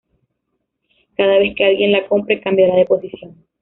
Cada vez que alguien la compre, cambiará de posición.